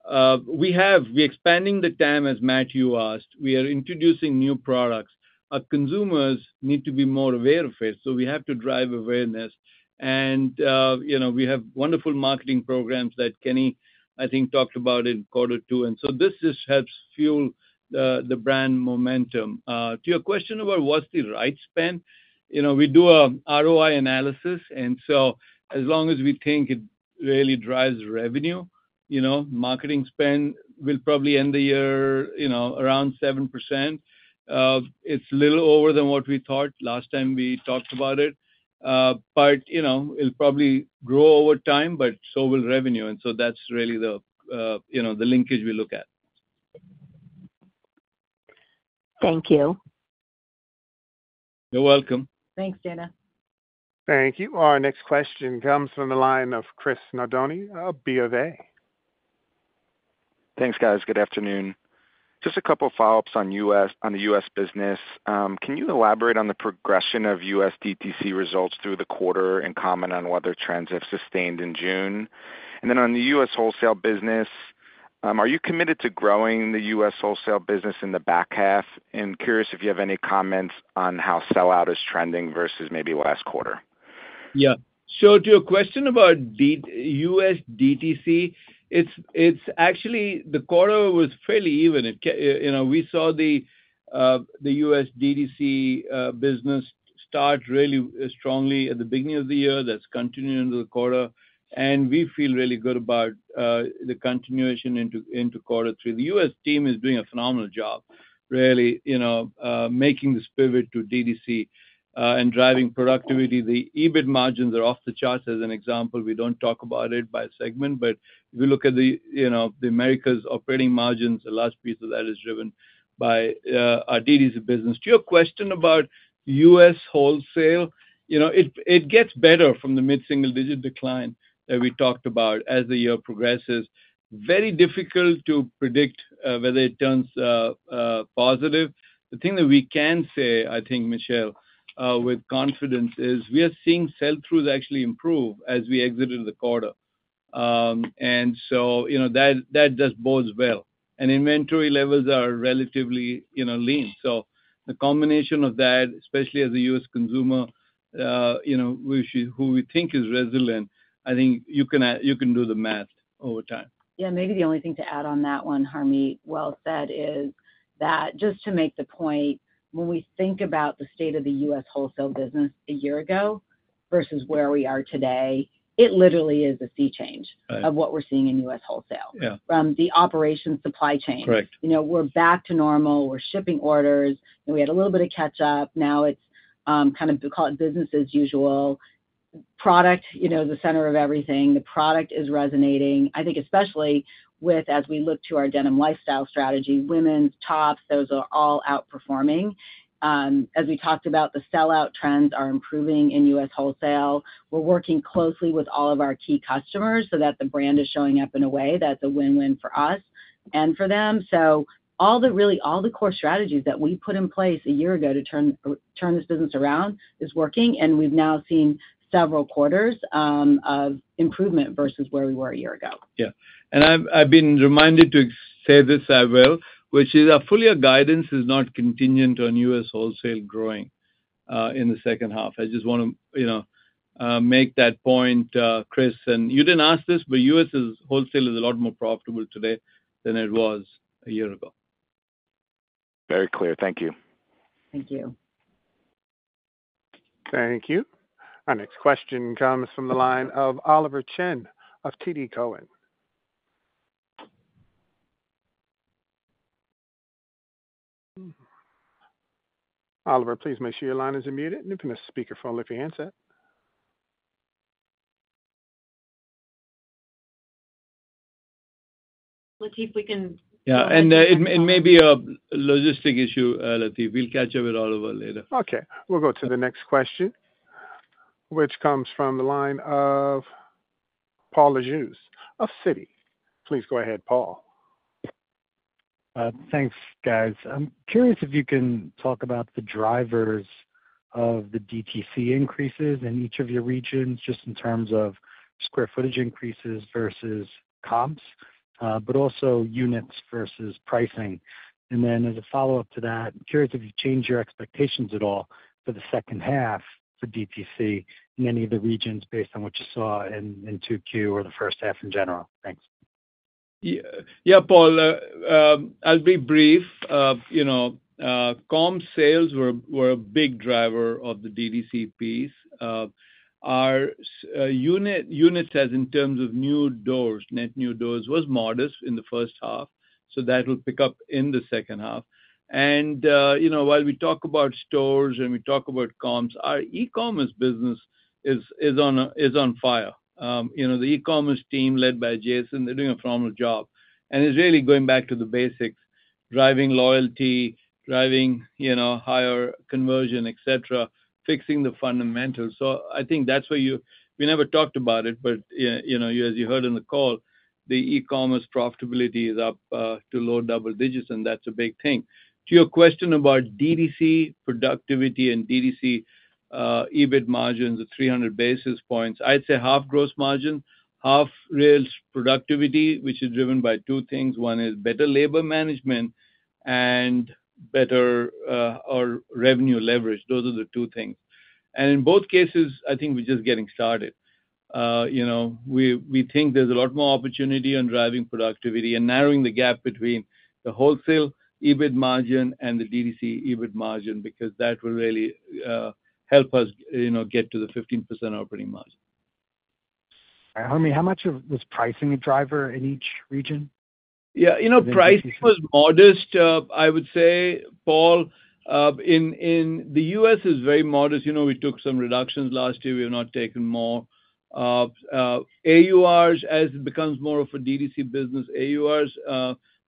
We have, we're expanding the TAM, as Matthew asked. We are introducing new products. Our consumers need to be more aware of it, so we have to drive awareness. And, you know, we have wonderful marketing programs that Kenny, I think, talked about in quarter two, and so this just helps fuel the, the brand momentum. To your question about what's the right spend? You know, we do a ROI analysis, and so as long as we think it really drives revenue, you know, marketing spend will probably end the year, you know, around 7%. It's a little lower than what we thought last time we talked about it. But you know, it'll probably grow over time, but so will revenue, and so that's really the, you know, the linkage we look at. Thank you. You're welcome. Thanks, Dana. Thank you. Our next question comes from the line of Chris Nardone of BofA. Thanks, guys. Good afternoon. Just a couple of follow-ups on the U.S. business. Can you elaborate on the progression of U.S. DTC results through the quarter and comment on whether trends have sustained in June? And then on the U.S. wholesale business, are you committed to growing the U.S. wholesale business in the back half? And curious if you have any comments on how sellout is trending versus maybe last quarter? Yeah. So to your question about U.S. DTC, it's actually the quarter was fairly even. You know, we saw the U.S. DTC business start really strongly at the beginning of the year. That's continuing into the quarter, and we feel really good about the continuation into quarter three. The U.S. team is doing a phenomenal job, really, you know, making this pivot to DTC and driving productivity. The EBIT margins are off the charts, as an example. We don't talk about it by segment, but if you look at the, you know, the Americas operating margins, the last piece of that is driven by our DTC business. To your question about U.S. wholesale, you know, it gets better from the mid-single-digit decline that we talked about as the year progresses. Very difficult to predict whether it turns positive. The thing that we can say, I think, Michelle, with confidence, is we are seeing sell-throughs actually improve as we exited the quarter... and so, you know, that, that just bodes well. And inventory levels are relatively, you know, lean. So the combination of that, especially as a U.S. consumer, you know, which is—who we think is resilient, I think you can you can do the math over time. Yeah, maybe the only thing to add on that one, Harmit, well said, is that just to make the point, when we think about the state of the U.S. wholesale business a year ago versus where we are today, it literally is a sea change- Right. - of what we're seeing in U.S. wholesale. Yeah. From the operations supply chain. Correct. You know, we're back to normal. We're shipping orders, and we had a little bit of catch up. Now it's, kind of, we call it business as usual. Product, you know, is the center of everything. The product is resonating, I think, especially with, as we look to our denim lifestyle strategy, women's tops, those are all outperforming. As we talked about, the sell-out trends are improving in U.S. wholesale. We're working closely with all of our key customers so that the brand is showing up in a way that's a win-win for us and for them. So all the really... all the core strategies that we put in place a year ago to turn, turn this business around is working, and we've now seen several quarters, of improvement versus where we were a year ago. Yeah. And I've been reminded to say this as well, which is our full-year guidance is not contingent on U.S. wholesale growing in the second half. I just wanna, you know, make that point, Chris, and you didn't ask this, but U.S. wholesale is a lot more profitable today than it was a year ago. Very clear. Thank you. Thank you. Thank you. Our next question comes from the line of Oliver Chen of TD Cowen. Oliver, please make sure your line is unmuted, and you can press speakerphone on your handset. Latif, we can- Yeah, and it may be a logistics issue, Laurent. We'll catch up with Oliver later. Okay. We'll go to the next question, which comes from the line of Paul Lejuez of Citi. Please go ahead, Paul. Thanks, guys. I'm curious if you can talk about the drivers of the DTC increases in each of your regions, just in terms of square footage increases versus comps, but also units versus pricing. And then as a follow-up to that, I'm curious if you've changed your expectations at all for the second half for DTC in any of the regions based on what you saw in 2Q or the first half in general. Thanks. Yeah, yeah, Paul, I'll be brief. You know, comp sales were a big driver of the DTC piece. Our units as in terms of new doors, net new doors, was modest in the first half, so that will pick up in the second half. And you know, while we talk about stores and we talk about comps, our e-commerce business is on fire. You know, the e-commerce team, led by Jason, they're doing a phenomenal job, and it's really going back to the basics, driving loyalty, driving higher conversion, et cetera, fixing the fundamentals. So I think that's where we never talked about it, but you know, as you heard in the call, the e-commerce profitability is up to low double digits, and that's a big thing. To your question about DDC productivity and DDC, EBIT margins of 300 basis points, I'd say half gross margin, half real productivity, which is driven by two things. One is better labor management and better, or revenue leverage. Those are the two things. And in both cases, I think we're just getting started. You know, we, we think there's a lot more opportunity on driving productivity and narrowing the gap between the wholesale EBIT margin and the DDC EBIT margin, because that will really, help us, you know, get to the 15% operating margin. Harmit, how much of this pricing a driver in each region? Yeah, you know, price was modest, I would say, Paul, in the U.S. is very modest. You know, we took some reductions last year. We have not taken more. AURs, as it becomes more of a DDC business, AURs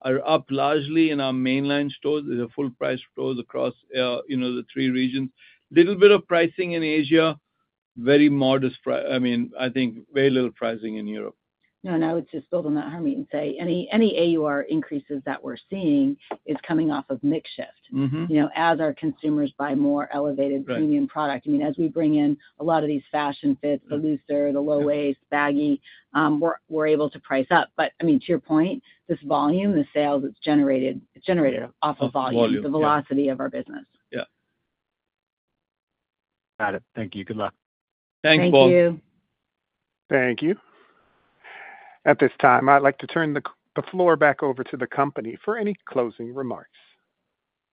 are up largely in our mainline stores. There's a full price across, you know, the three regions. Little bit of pricing in Asia, very modest, I mean, I think very little pricing in Europe. No, and I would just build on that, Harmit, and say any, any AUR increases that we're seeing is coming off of mix shift- Mm-hmm. You know, as our consumers buy more elevated premium product. Right. I mean, as we bring in a lot of these fashion fits, the looser, the low waist, baggy, we're able to price up. But I mean, to your point, this volume, the sales, it's generated off of volume- Of volume, yeah. the velocity of our business. Yeah. Got it. Thank you. Good luck. Thank you, Paul. Thank you. Thank you. At this time, I'd like to turn the floor back over to the company for any closing remarks.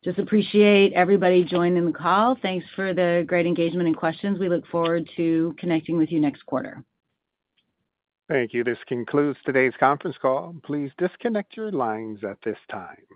Just appreciate everybody joining the call. Thanks for the great engagement and questions. We look forward to connecting with you next quarter. Thank you. This concludes today's conference call. Please disconnect your lines at this time.